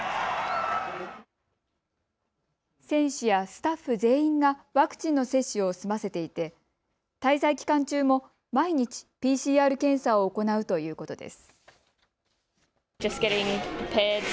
選手やスタッフ全員がワクチンの接種を済ませていて滞在期間中も毎日、ＰＣＲ検査を行うということです。